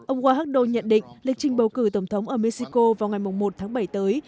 ông wahdo nhận định lịch trình bầu cử tổng thống ở mexico vào ngày một tháng bảy tới